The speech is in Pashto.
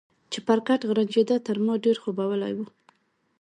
چپرکټ غرنجېده، تر ما ډېر خوبولی و.